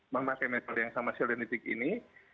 memakai metode yang sama sel denitik ini